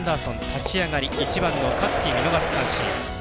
立ち上がり、１番の香月見逃し三振。